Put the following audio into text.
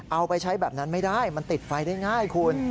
เอาไปใช้แบบนั้นไม่ได้มันติดไฟได้ง่ายคุณ